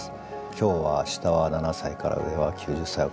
今日は下は７歳から上は９０歳。